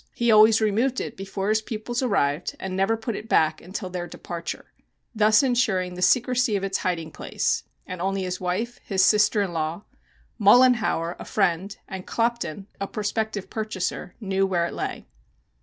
He always removed it before his pupils arrived and never put it back until their departure, thus insuring the secrecy of its hiding place, and only his wife, his sister in law, Mollenhauer, a friend, and Klopton, a prospective purchaser, knew where it lay.